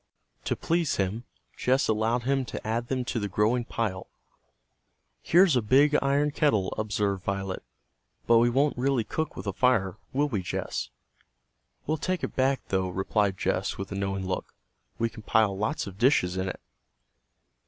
To please him, Jess allowed him to add them to the growing pile. "Here's a big iron kettle," observed Violet. "But we won't really cook with a fire, will we, Jess?" "We'll take it back, though," replied Jess with a knowing look. "We can pile lots of dishes in it."